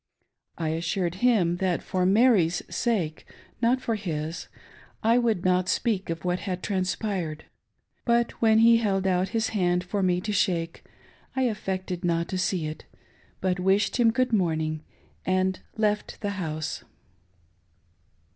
I assured him that for Mary's sake— not for his — I would not speak of what had transpired ; but when he held out his hand for me to shake I affected not to see it, but wished him good morning, and left the house.